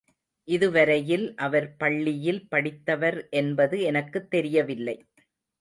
இதுவரையில் அவர் பள்ளியில் படித்தவர் என்பது எனக்குத் தெரியவில்லை.